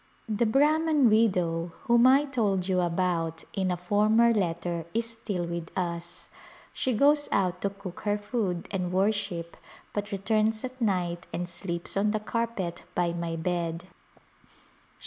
The Brahman widow whom I told you about in a former letter is still with us. She goes out to cook her food and worship but returns at night and sleeps on the carpet by my bed.